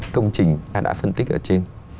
công trình ta đã phân tích ở trên